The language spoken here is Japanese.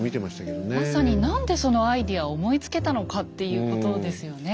まさに何でそのアイデアを思いつけたのかっていうことですよね。